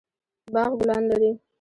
باغ ګلان لري